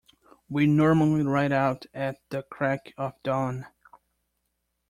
We normally ride out at the crack of dawn.